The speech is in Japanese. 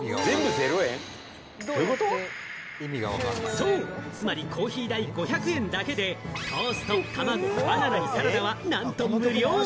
そう、つまりコーヒー代５００円だけで、トースト、玉子、バナナにサラダはなんと無料！